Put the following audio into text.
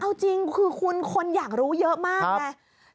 เอาจริงคือคุณคนอยากรู้เยอะมากไง